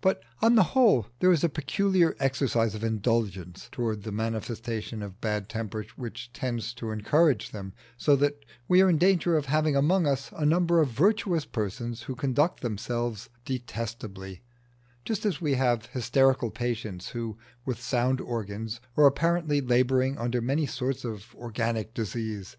But on the whole there is a peculiar exercise of indulgence towards the manifestations of bad temper which tends to encourage them, so that we are in danger of having among us a number of virtuous persons who conduct themselves detestably, just as we have hysterical patients who, with sound organs, are apparently labouring under many sorts of organic disease.